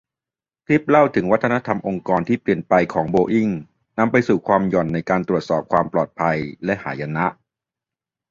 คลิปเล่าถึงวัฒนธรรมองค์กรที่เปลี่ยนไปของโบอิ้ง นำไปสู่ความหย่อนในการตรวจสอบความปลอดภัย และหายนะ